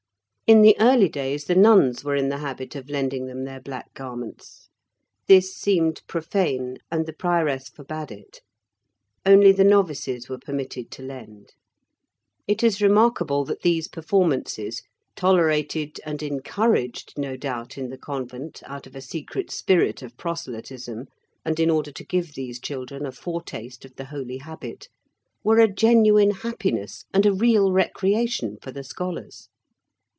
In the early days the nuns were in the habit of lending them their black garments. This seemed profane, and the prioress forbade it. Only the novices were permitted to lend. It is remarkable that these performances, tolerated and encouraged, no doubt, in the convent out of a secret spirit of proselytism and in order to give these children a foretaste of the holy habit, were a genuine happiness and a real recreation for the scholars.